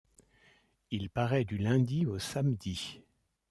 Il paraît du lundi au samedi.